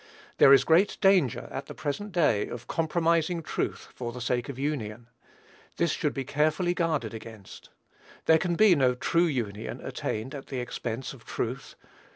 There is great danger, at the present day, of compromising truth for the sake of union. This should be carefully guarded against. There can be no true union attained at the expense of truth.